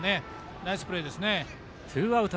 ナイスプレーですね。